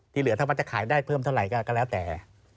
เหลือถ้าว่าจะขายได้เพิ่มเท่าไหร่ก็แล้วแต่